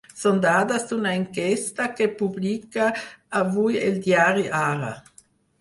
Són dades d’una enquesta que publica avui el diari Ara.